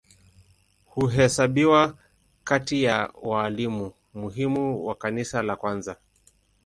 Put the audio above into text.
Huhesabiwa kati ya walimu muhimu wa Kanisa la kwanza.